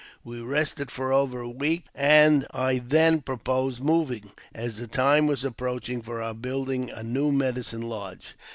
We rested for over a week, and I then proposed moving, as the time was approach ing for our building a new medicine lodge.